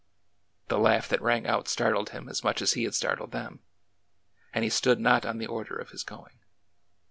The laugh that rang out startled him as much as be had startled them, and he stood not on the order of his gcring.